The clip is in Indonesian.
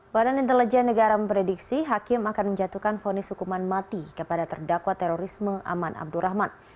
badan intelijen negara memprediksi hakim akan menjatuhkan fonis hukuman mati kepada terdakwa terorisme aman abdurrahman